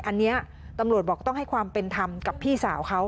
อันนี้ตำรวจบอกต้องให้ความเป็นธรรมกับพี่สาวเขา